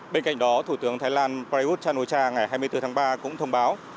bên cạnh đó thủ tướng thái lan prayuth chan o cha ngày hai mươi bốn tháng ba cũng thông báo